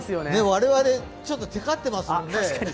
我々、ちょっとテカってますもんね。